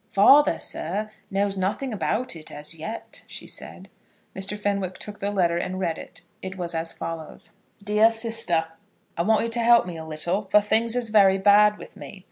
"Father, sir, knows nothing about it as yet," she said. Mr. Fenwick took the letter and read it. It was as follows: DEAR SISTER, I want you to help me a little, for things is very bad with me.